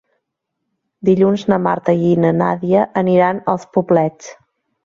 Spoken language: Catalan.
Dilluns na Marta i na Nàdia aniran als Poblets.